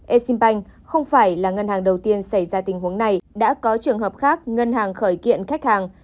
e sim banh không phải là ngân hàng đầu tiên xảy ra tình huống này đã có trường hợp khác ngân hàng khởi kiện khách hàng